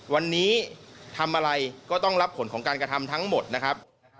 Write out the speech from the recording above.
วันนี้ทำอะไรก็ต้องรับผลของการกระทำทั้งหมดนะครับ